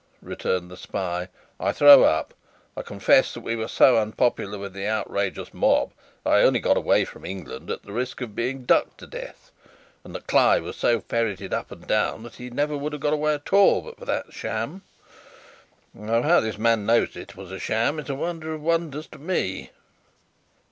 returned the spy. "I throw up. I confess that we were so unpopular with the outrageous mob, that I only got away from England at the risk of being ducked to death, and that Cly was so ferreted up and down, that he never would have got away at all but for that sham. Though how this man knows it was a sham, is a wonder of wonders to me."